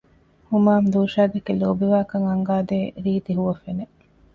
ހުމާމް ލޫޝާދެކެ ލޯބިވާކަން އަންގަދޭ ރީތި ހުވަފެނެއް